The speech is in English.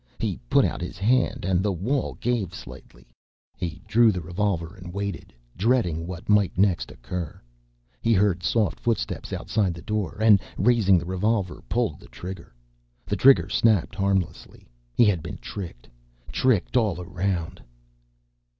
He put out his hand, and the wall gave slightly. He drew the revolver and waited, dreading what might next occur. He heard soft footsteps outside the door, and, raising the revolver, pulled the trigger. The trigger snapped harmlessly. He had been tricked, tricked all around.